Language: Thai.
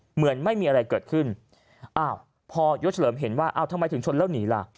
เหมือนไม่มีอะไรเกิดขึ้นอ้าวพอยศเฉลิมเห็นว่าอ้าวทำไมถึงชนแล้วหนีล่ะ